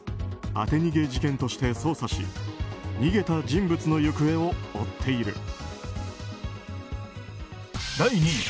当て逃げ事件として捜査し逃げた人物の行方を追っている。